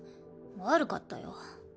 悪かったよ。